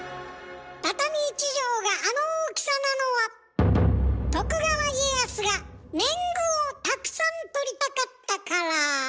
畳１畳があの大きさなのは徳川家康が年貢をたくさんとりたかったから。